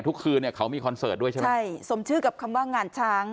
คืนเนี่ยเขามีคอนเสิร์ตด้วยใช่ไหมใช่สมชื่อกับคำว่างานช้าง